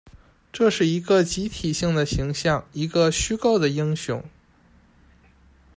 这是一个集体性的形象，一个虚构的英雄。